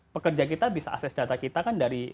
pekerja kita bisa akses data kita kan dari